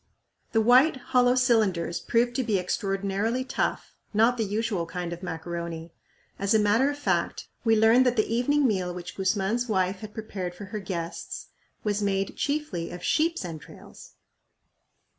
The white hollow cylinders proved to be extraordinarily tough, not the usual kind of macaroni. As a matter of fact, we learned that the evening meal which Guzman's wife had prepared for her guests was made chiefly of sheep's entrails!